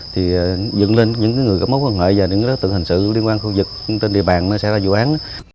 thì dựng lên những cái người có mối quan hệ và những cái đối tượng hình sự liên quan khu vực trên địa bàn nó sẽ ra vụ án